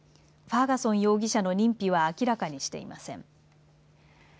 ファーガソン容疑者の認否は明らかにしていません。